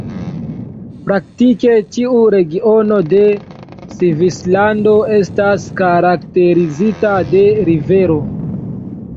Praktike ĉiu regiono de Svislando estas karakterizita de rivero.